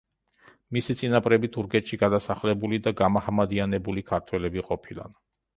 მისი წინაპრები თურქეთში გადასახლებული და გამაჰმადიანებული ქართველები ყოფილან.